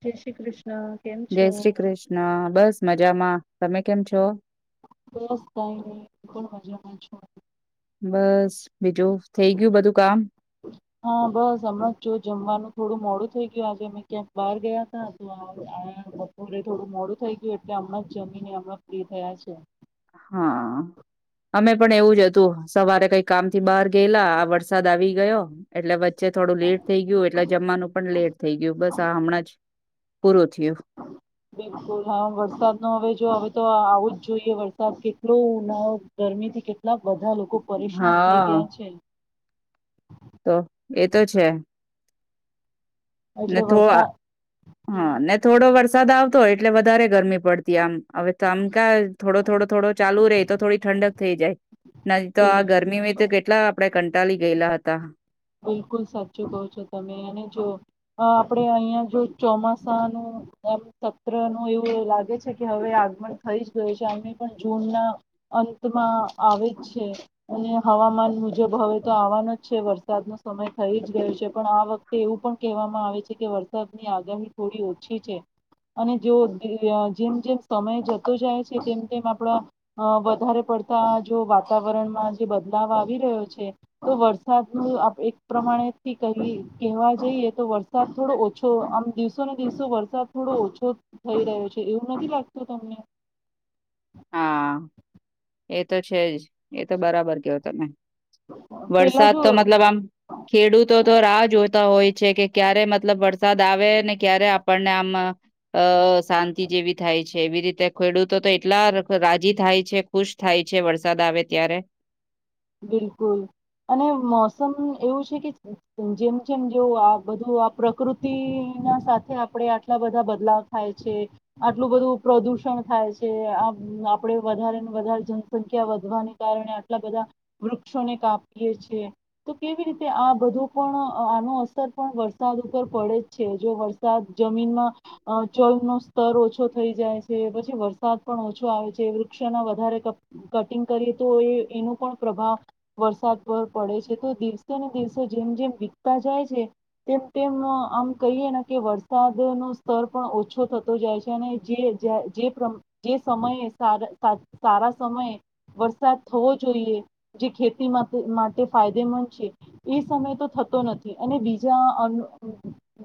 જય શ્રી કૃષ્ણ. કેમ જય છો? શ્રી કૃષ્ણ બસ મજા જામાં તમે કેમ છો? બસ કઈ નહી હું પણ મજામાં છું. બસ બીજું થઈ ગયું બધું કામ? હા બસ હમણાં જો જમવાનું થોડું મોડું થઇ ગયું આજે અમે ક્યાં બહાર ગયા ત તો બપોરે થોડું મોડું થઇ ગયું એટલે હમણાં જ જમીને હમણાં ફ્રી થયા છે. હા અમે પણ એવું જ હતું સવારે કઈ કામ થી બહાર ગયેલા આ વરસાદ આવી ગયો એટલે વચ્ચે થોડું લેટ થઈ ગયું એટલે જમવાનું પણ લેટ થઈ ગયું બસ આ હમણાં જ પૂરો થયો. બિલકુલ હા વરસાદ નો હવે જો હવે તો આવું જ જોઈએ વરસાદ કેટલો ન ગરમી થી કેટ લાક બધા લોકો પરેશાન થઈ હા ગયા છે. તો એતો છે. ને એટલે થો વરસાદ હા હમ, ને થોડો વર્ષ વરસાદ આવતો હોય એટલે વધારે ગરમી પડતી આમ હવે તોમ ક થોડો થોડો થોડો ચાલુ રે તો થોડી ઠંડક થઈ જાય ન તો બિલ આ ગરમી તો કેટલા આપડે કંટાલી ગયેલા હતા બિલકુલ સાચું કહો છો તમે અને જો આપણે અહિયાં જો ચોમાસાનું એમ સત્ર નું એવું લાગે છે કે હવે આગમન થઈ જ ગયું છે અમે પણ જૂન ના અંતમાં આવે જ છે અને હવામાન મુજબ હવે તો આવવાનો જ છે વરસાદ વરસાદ ન સમય થઈ જ ગયો છે પણ આ વખતે એવું પણ કહેવામાં આવે છે કે વરસાદની આગાહી થોડી ઓછી છે અને જો જેમ જેમ સમય જતો જાય છે તેમ તેમ આપણા વધારે પડતા જો વાતાવરણમાં જે બદલાવ આવી રહ્યો છે તો વરસાદ એક પ્રમાણેથી ક કહેવા જઈએ તો વરસાદ થોડો ઓછો આમ દિવસો ને દિવસો વરસાદ થોડો ઓછો થઈ રહ્યો છે એવું નથી લાગતું તમને? હા એ તો છે જ એ તો બરાબર કેવો તમે પેલા વરસાદ જો તો મતલબ આમ ખેડૂતો તો રાહ જોતા હોય છે કે ક્યારે મત મતલબ વરસાદ આવે ને ક્યારે આપણને આમ અ શાંતિ જેવી થાય છે એવી રીતે ખેડૂતો તો એટલા રાજી થાય છે ખુશ થાય છે વરસાદ આવે ત્યારે. બિલકુલ અને મોસમ એવું છે કે જેમ જેમ જેવ આ બધું આ પ્રકૃતિના સાથે આપણે આટલા બધા બદલાવ થાય છે આટલું બધું પ્રદુષણ થાય છે આ આપણે વધારે ને વધારે જનસંખ્યા વધવાને કારણે આટલા બધા વૃક્ષોને કાપીએ છે તો કેવી રીતે આ બધું પણ આનો અસર પણ વરસાદ ઉપર પડે જ છે જો વરસાદ જમીનમાં ચળનો સ્તર ઓછો થઈ જાય છે પછી વરસાદ પણ ઓછો આવે છે વૃક્ષોના વધારે કટિંગ કરીએ તો એ એનું પણ પ્ર વરસાદ પર પડે છે તો દિવસે ને દિવસે જેમ જેમ વીતતા જાય છે તેમ તેમ આમ કહીએ ને કે વરસાદ ન સ્તર પણ ઓછો થતો જાય છે અને જે સમયે સારા સમયે વરસાદ થવો જોઈએ જે ખેતી માટે ફાયદેમંદ છે એ સમય તો થતો નથી અને બીજા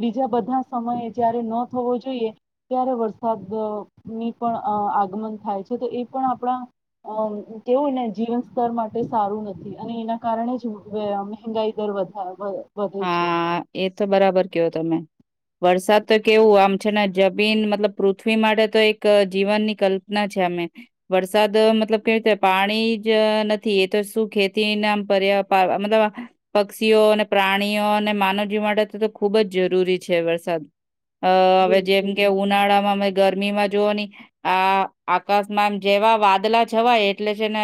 બીજા બધા સમયે જયારે ન થવો જોઈએ ત્યારે વરસાદ ની પણ આગમન થાય છે તો એ પણ આપણા કેવું ને જીવન સ્તર માટે એ સારું નથી અને એના કારણે જ મંગાઈ દર વધારે હા એ તો બરાબર કેયો તમે વરસાદ તો કેવું આમ છે ને જમીન મતલબ પૃથ્વી માટે તો એક જીવનની કલ્પના છે અમે વરસાદ મતલબ કેવી રીતે પાણી જ નથી એ તો શું ખેતી નામ પર્યા મતલબ પક્ષીઓ અને પ્રાણીઓ અને માનવજીવ માટે તો તો ખૂબ જ જરૂરી છે વરસાદ. અ હવે જેમ બિલકુલ કે ઉનાળામાં ગરમીમાં જોઓ ની આ આકાશમાં આમ જેવા વાદલા છવાય એટલે છે ને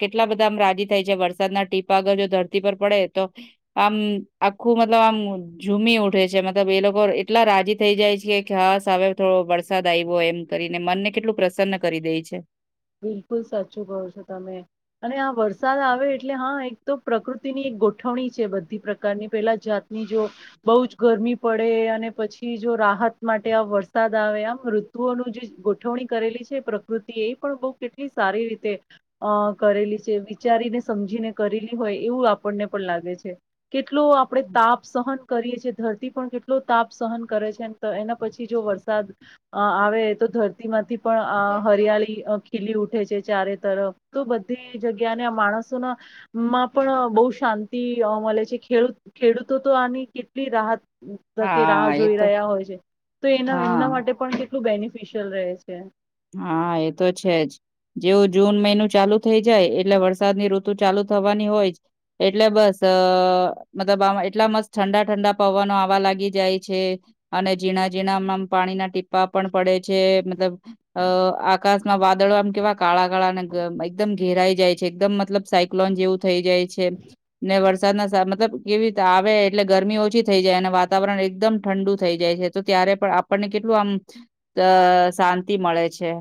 કેટલા બધામ રાજી થાય છે વરસાદના ટીપા આગર જો ધરતી પર પડે તો આમ આખું મતલબ આમ ઝૂમી ઉઠે છે મતલબ એ લોકો એટલા રાજી થઈ જાય છે કે હ હવે થોડો વરસાદ આવ્યો એમ કરીને મનને કેટલું પ્રસન્ન કરી દે છે. બિલકુલ સાચું કહો છો તમે અને આ વરસાદ આવે એટલે હા એક તો પ્રકૃતિની એક ગોઠવણી છે બધી પ્રકારની પેલા જાત ની જો બઉુ જ ગરમી પડે અને પછી જો રાહત માટે આ વરસાદ આવે આમ ઋતુઓનું જે ગોઠવણી કરેલી છે પ્રકૃતિ એ પણ બહુ કેટલી સારી રીતે અ કરેલી છે. વિચારીને સમજીને કરેલી હોય એવું આપણને પણ લાગે છે. કેટલો આપણેે તાપ સહન કરીએ છે. ધરતી પણ કેટલો તાપ સહન કરે છે. એના પછી જો વરસાદ આવે તો ધરતી માંથી પણ હરિયાળી ખીલી ઉઠે છે. ચારે તરફ તો બધી જગ્યાને, આ માણસોનામાં પણ બહુ શાંતિ મળે છે. ખેડૂત ખેડૂતો તો આની કેટલી રાહત તકે રાહ હા એ જોઈ તો રહ્યા હોય છે. તો એના હા. એમના માટે પણ કેટલું બેનિફિશિયલ રહે છે. હા એ તો છે જ, જેવું જૂન મહિનું ચાલુ થઈ જાય એટલે વરસાદની ઋતુ ચાલુ થવાની હોય જ, એટલે બસ મતલબ આ એટલા મસ્ત ઠંડા ઠંડા પવનો આવા લાગી જાય છે. અને ઝીણા ઝીણામાંમ પાણીના ટીપ્પા પણ પડે છે. મતલબ કળા ગાળા ન [inaudible] એકદમ ઘેરાઈ જાય છે. એકદમ મતલબ સાયક્લોન જેવું થઇ જાય છે. છે ને, વર વરસાદ મતલબ કેવી રીતે આવે એટલે ગરમી ઓછી થઈ જાય, અને વાતાવરણ એકદમ ઠંડુ થઈ જાય છે. તો ત્યારે પણ આપણને કેટલું આમ શાંત મળે છે.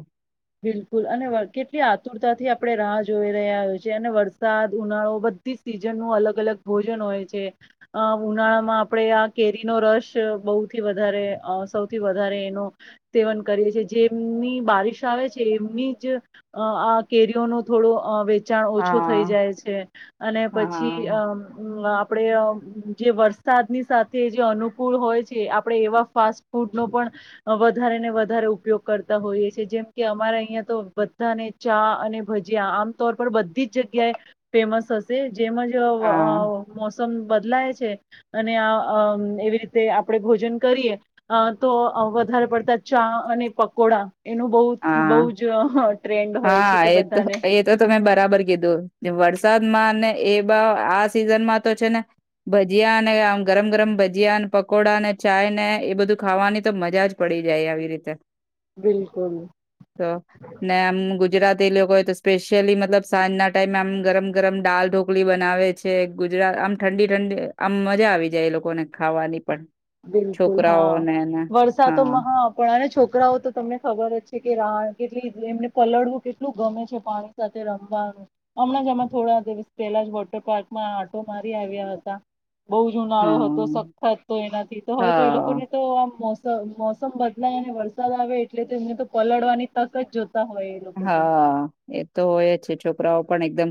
બિલકુલ અને કેટલી આતુરતાથી આપણે રાહ જોઈ રહ્યા હોય છે. અને વરસાદ ઉનાળો બધી સીઝન નું અલગ અલગ ભોજન હોય છે. અ ઉનાળામાં આપણે આ કેરીનો રસ બહુથી વધારે સૌથી વધારે એનું સેવન કરીએ છીએ. જેમની બારિશ ચાલે છે એમની જ આ કેરીઓ નો થોડો વે વેચાણ ઓછો થઈ હા જાય છે. અને પછી હા અમ આપણે જે વરસાદની સાથે જે અનુકૂળ હોય છે. આપણે એવા ફાસ્ટ ફૂડનો પણ વધારે ને વધારે ઉપયોગ કરતા હોઈએ છીએ, જેમ કે અમારે અહિયાં તો બધાને ચા અને ભજીયા. આમ તોર પર બધી જ જગ્યાએ ફેમસ હશે. જેમ જ હા મો બદલાય છે. અને એવી રીતે આપણે ભોજન કરીએ તો વધારે પડતા ચા અને પકોડા એનું બહું બઉ હા જ ઓ, ! હં હા, એતો એતો તમે બરાબર કીધું. વરસાદમાં ને એ બા આ સિઝનમાં તો છેને, ભજીયાને આ ગરમ ગરમ ભજીયા અને પકોડાને, ચાયને એ બધું ખાવાની તો મજા જ પડી જાય. આવી રીતે બિલકુલ. તો ને આમ ગુજરાતી લોકોએ તો સ્પેશિયલી, મતલબ સાંજના ટાઈમે આમ ગરમ ગરમ દાલ ઢોકલી બનાવે છે. ગુજરાત આમ ઠંડી ઠંડી આમ મજા આવી જાય, એ લોકોને ખાવાની પણ. બિલકુલ હા, છોકરાઓને ને. વરસાતો માં હા પણ છોકરાઓ તો તમને ખબર જ છે, કે રા કેટલી એમને પલળવું કેટલું ગમે છે, પાણી સાથે રમવાનું, હમણાં જ અમે થોડા દિવસ પહેલા જ વોટર પાર્કમાં આંટો મારી આવ્યા હતાં. બઉજ ઉનાળો હતો, હા સખત તો એના તો હવે તો એ હા લોકોને તો આમ મોસમ, મોસમ બદલાય અને વરસાદ આવે, એટલે તેમને તો પલળવાની તક જ જો હા, એતો હોય જ છે છોકરાઓ પણ એકદમ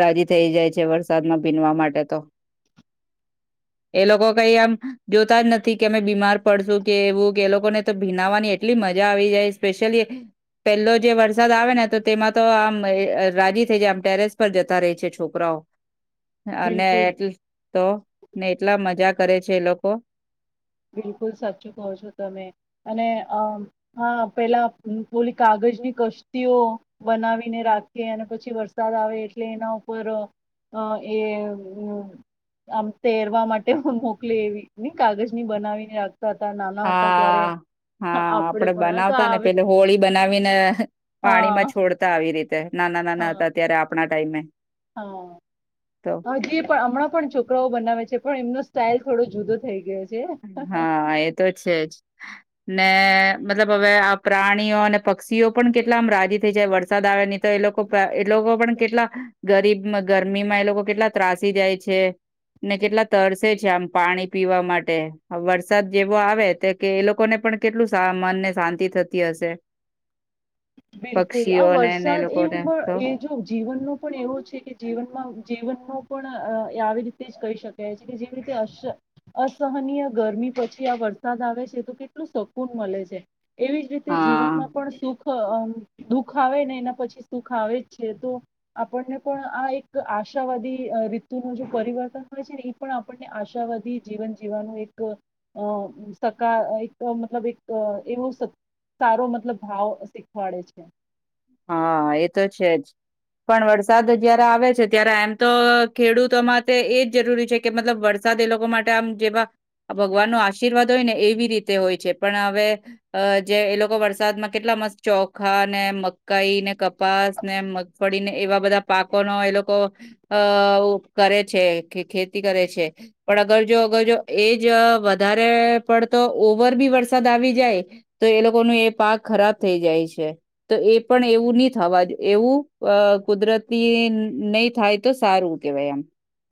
રાજી થઈ જાય છે. વરસાદમાં ભીનવા માટે તો, એ લોકો કઈ આમ જોતા જ નથી કે, અમે બીમાર પડશું કે, એવું કે એ લોકોને તો ભીનાવાની એટલી મજા આવી જાય. સ્પેશિયલી પેલ્લો જે વર વરસાદ આવેને તો તેમાં તો, આમ રાજી થઈ જાય આમ ટેરેસ પર જતા રેય છે છોકરાઓ. અને બિલકુલ એટ તો, ને એટલા મજા કરે છે એ લોકો. બિલકુલ સાચું કહો છો તમે, અને અ હા પેલા હોલી કાગજની કશ્તીઓ બનાવીને રાખીએ, અને પછી વરસાદ આવે એટલે એના ઉપર અ એ આમ તેરવા માટે મોકલી એવી, કાગજ ની બનાવીને ત્યારે હા હા, આપડે પણ આ તો બનાવતાને આવે પેલે હોળી બનાવીને હા પાણીમાં છોડતા આવી રી તે નાનાં, નાનાં હા હતા, ત્યારે આપણા ટાઈમે. તો હજી પણ હમણાં પણ છોકરાઓ બનાવે છે, પણ એમનો સ્ટાઈલ થોડો જુદો થઈ ગયો છે. હા, એતો છેજ ને મતલબ હવે, આ પ્રાણીઓ અને પક્ષીઓ પણ કેટલા આમ રાજી થઈ જાય વરસાદ આવેની તો એ લોકો એ લોકો પણ કેટલા ગરીબ ગરમીમાં એ લોકો કેટલા ત્રાસી જાય છને, કેટલા તરસે છે, આમ પાણી પીવા માટ હે વરસાદ જેવો આવે, તો કે એ લોકોને પણ કેટલું મનને શાંતિ થતી હશે. બિલકુલ, આ પક્ષીઓને ને એ વરસાદ લોકોને એવું તો પણ એ જો જીવનનો પણ એવો છેકે, જીવનમાં જીવનનો પણ અ આવી રીતે જ કહી શકાય છે, કે જેવી રીતે અસ અસહનીય ગરમી પછી આ વરસાદ આવે, છે તો કેટલું શકૂન મલે છે. એવી જ રીતે હા જીવનમાં, પણ સુખ હ આ. દુઃખ આવેને એના પછી સુખ આવે જ છે, તો આપણને પણ આ એક આશાવાદી રીધ્ધુનું જે પરિવર્તન હોય છેને, એ પણ આપણને આશાવાદી જીવન જીવવાનું એક સકાર એક મતલબ એક એવો સારો મતલબ ભાવ મળે છે. હા, એતો છેજ પણ વરસાદ જયારે આવે છે ત્યારે એમતો ખેડૂતો માટે એજ જરૂરી છેકે મતલબ વરસાદ એ લોકો માટે આમ જેવા ભગવાનનો આશીર્વાદ હોય ને એવી રીતે હોય છે, પણ હવે, જે એ લોકો વરસાદમાં કેટલા મસ્ત ચોખાને અને મ કઈને કપાસને મગફળીને એવા બધાં પાકોનો એ લોકો અ કરે છે, ખેતી કરે છે પણ અગર જો અગર જો એજ વધારે પડતો ઓવર બી વરસાદ આવી જાય, તો એ લોકોનો એ પાક ખરાબ થઈ જાય છે, તો એ પણ એવુંની થવાં એવું અ કુદરતી નય થાય, તો સારું કહેવાય એમ.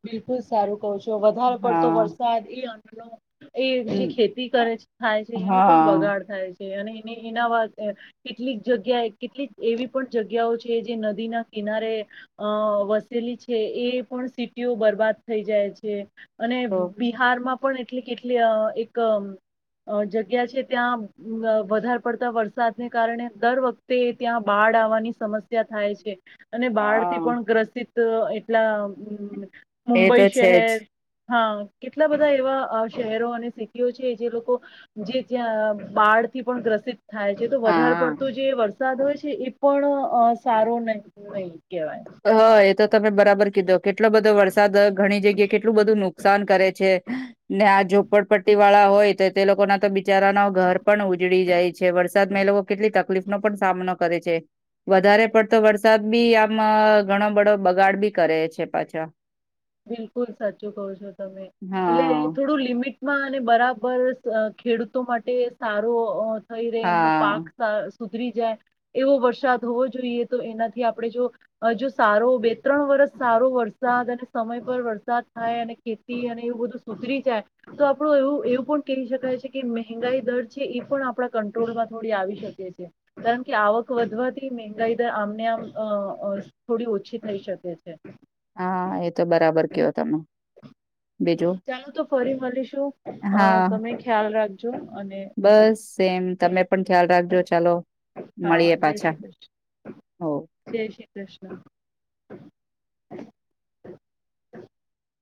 બિલકુલ સારું. કહો છો, વધારે પડતો વરસાદ એ હલો. એ જે એમ ખેતી કરે છે, થાય છે, હા એનું પણ હા બગાડ થાય છે. અને એ એના [unintelligible] કેટલીક જગ્યાએ કેટલીક એવી પણ જગ્યાઓ છે, જે નદી ના કિનારે અ વસેલી છે. એ પણ યો બરબાદ થઈ, જાય છે. અને તો બિહારમાં પણ એટલી કેટલી એક જગ્યા છે, ત્યાં વધારે પડતા વરસાદને કારણે દર વખતે, ત્યાં બાળ આવવાની સમસ્યા થાય છે. અને બહાર થી હા પણ ગ્રસિત તો એટલા એ મુુંબઈ તો છે જ શહેર હા કેટલા બધા એવા શહેરો અને સિટીઓ છે, જે લોકો જે, ત્યાં બાળથી પણ ગ્રસિત થાય છે. તો વધારે હા પડતું જે વર વરસાદ હોય છે. એ પણ અ સારો નહ નહી, કેવાય. હા એત તમે બરાબર કીધો કેટલો બધો વરસાદ ઘણી જગ્યાએ કેટલું બધું નુકસાન કરે છે, ને આ જો ઝુપડપડપટ્ટી વાળા હોય, તો તે લોકોના તો બીજ બિચારા ન ઘર પણ ઉજળી જાય છે, વરસાદમા એ લોકો કેટલી તક તકલીફ નો પણ સામનો કરે છે, વધારે પડતો વરસાદ બી આમ ઘણો બડો બગાડ બી કરે છે. પાછા બિલકુલ સાચું કવ છો તમે એટલે હા થોડું લિમિટમાં અને બરાબર બર ખેડૂતો માટે સારો થઈ રેય એમનો હા પાક સુધરી જાય એવો વરસાદ હોવો જોઈએ. તો એનાથી આપણે જો જો સારો બે ત્રણ વરષ સારો વરસાદ અને સમય પર વરસાદ થાય અને ખેતી અને એવું બધું સુધરી જાય તો, આપણું એવું એવું પણ કહી શકાય છે કે મહેંગાઈ દર છે, એ પણ આપણા કંટ્રોલમાં થોડી આવી શકે છે. કારણ કે આવક વધવાથી મંહેગાઈ દર આમને આમ થોડી ઓછી થઈ શકે છે. હા એ તો બરાબર કયો તમે બીજું. ચાલો તો ફરી મળીશ. હા તમે ખ્યાલ રાખો. બસ સેમ તમે પણ ખ્યાલ રાખજો ચાલો હા મળીએે જય પાછા શ્રી કૃષ્ણ હો. જય શ્રી કૃષ્ણ. [inaudible] [unintelligible]